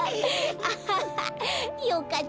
アハハよかった。